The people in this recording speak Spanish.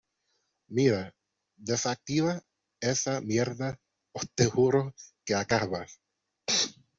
mira, desactiva esa mierda o te juro que acabas